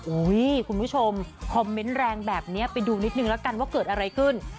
คุณผู้ชมคอมเมนต์แรงแบบนี้ไปดูนิดนึงแล้วกันว่าเกิดอะไรขึ้น